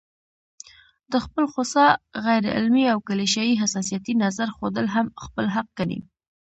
د خپل خوسا، غيرعلمي او کليشه يي حساسيتي نظر ښودل هم خپل حق ګڼي